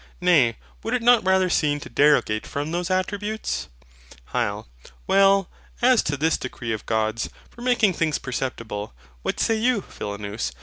Nay, would it not rather seem to derogate from those attributes? HYL. Well, but as to this decree of God's, for making things perceptible, what say you, Philonous?